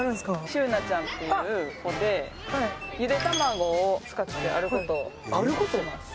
シュウナちゃんっていう子でゆで卵を使ってあることをします